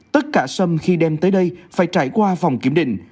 tất cả sâm khi đem tới đây phải trải qua phòng kiểm định